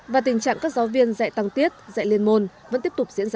và tình trạng các giáo viên dạy tăng tiết dạy liên môn vẫn tiếp tục diễn ra